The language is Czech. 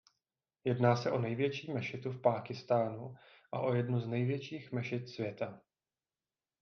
Jedná se o největší mešitu v Pákistánu a o jednu z největších mešit světa.